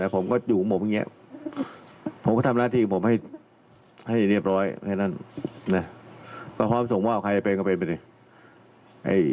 เขาพร้อมทรงวาวใครเป็นก็เป็นไปดี